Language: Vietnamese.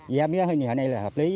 giá mía hôm nay hợp lý